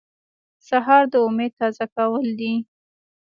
سهار د امید تازه کول دي.